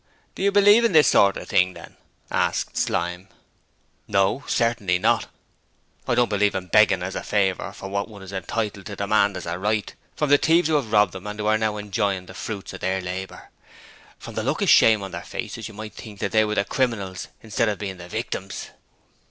'Do you believe in this sort of thing, then?' asked Slyme. 'No; certainly not. I don't believe in begging as a favour for what one is entitled to demand as a right from the thieves who have robbed them and who are now enjoying the fruits of their labour. From the look of shame on their faces you might think that they were the criminals instead of being the victims.'